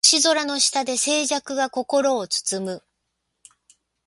星空の下で静寂が心を包む